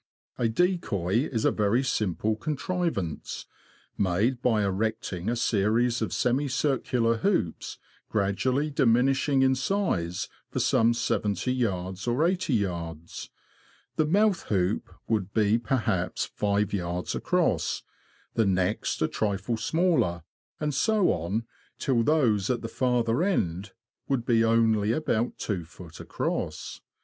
A decoy is a very simple contrivance, made by erecting a series of semicircular hoops, gradually diminishing in size, for some 70yds. or 8oyds. The mouth hoop would be perhaps 5yds. across, the next a trifle smaller, and so on, till those at the farther end would be only about 2ft. across.